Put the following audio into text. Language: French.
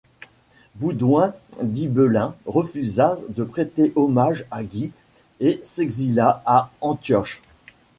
Baudouin d'Ibelin refusa de prêter hommage à Guy et s'exila à Antioche.